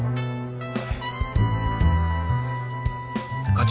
課長。